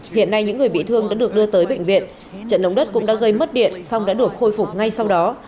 hiện nay những người bị thương đã được đưa tới bệnh viện trận động đất cũng đã gây mất điện song đã được khôi phục ngay sau đó